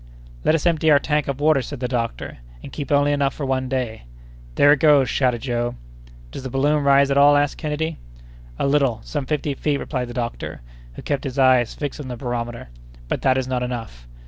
"Let us empty our tank of water," said the doctor, "and keep only enough for one day." "There it goes," shouted Joe. "Does the balloon rise at all?" asked Kennedy. "A little—some fifty feet," replied the doctor, who kept his eyes fixed on the barometer. "But that is not enough."